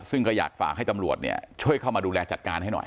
ซึ่งก็อยากฝากให้ตำรวจช่วยเข้ามาดูแลจัดการให้หน่อย